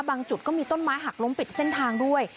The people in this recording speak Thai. จุดก็มีต้นไม้หักล้มปิดเส้นทางด้วย